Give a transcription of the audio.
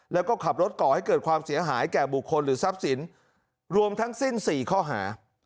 แล้วก็ขับรถก่อให้เกิดความเสียหายแก่บุคคลหรือทรัพย์สินรวมทั้งสิ้น๔ข้อหา